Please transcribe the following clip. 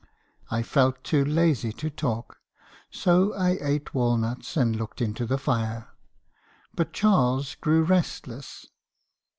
I felt too lazy to talk, so I eat walnuts and looked into the fire. But Charles grew restless.